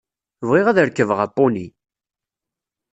Bɣiɣ ad rekbeɣ apuni!